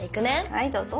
はいどうぞ。